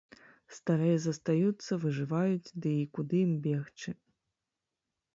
Старыя застаюцца, выжываюць, ды і куды ім бегчы?